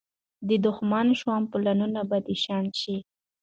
د دښمن شوم پلانونه به شنډ شي.